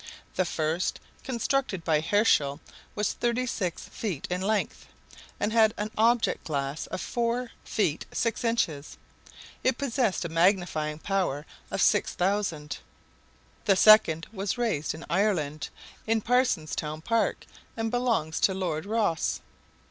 The first, constructed by Herschel, was thirty six feet in length, and had an object glass of four feet six inches; it possessed a magnifying power of 6,000. The second was raised in Ireland, in Parsonstown Park, and belongs to Lord Rosse.